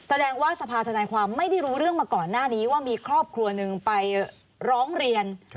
แสดงว่าสภาธนายความไม่ได้รู้เรื่องมาก่อนหน้านี้ว่ามีครอบครัวหนึ่งไปร้องเรียน